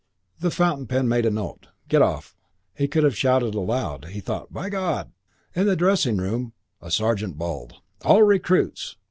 The fountain pen made a note. "Get off." He could have shouted aloud. He thought, "By God!" In the dressing room a sergeant bawled, "All recruits!"